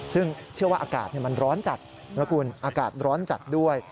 ซึ่งเชื่อว่าอากาศมันร้อนจัดนะคุณอากาศร้อนจัดด้วย